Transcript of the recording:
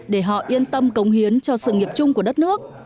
để họ yên tâm cống hiến cho sự nghiệp chung của đất nước